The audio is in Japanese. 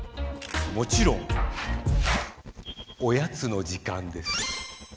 もちろんおやつの時間です。